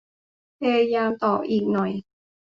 พยายามต่ออีกหน่อย